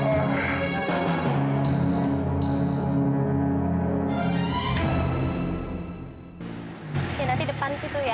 ya nanti depan situ ya